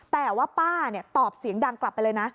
แต่ว่าป้าตอบเสียงดังกลับไปเลยนะ